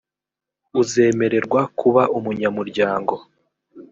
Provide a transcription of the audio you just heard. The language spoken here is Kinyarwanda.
uzemererwa kuba umunyamuryango